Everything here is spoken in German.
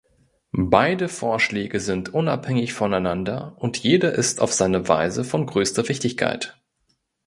Beide Vorschläge sind unabhängig voneinander, und jeder ist auf seine Weise von größter Wichtigkeit.